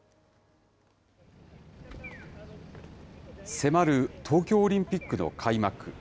迫る東京オリンピックの開幕。